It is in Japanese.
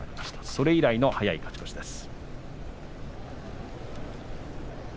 それ以来の早い勝ち越しです。